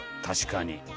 確かに。